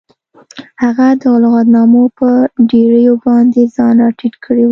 هغه د لغتنامو په ډیریو باندې ځان راټیټ کړی و